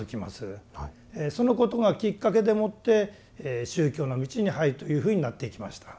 そのことがきっかけでもって宗教の道に入るというふうになっていきました。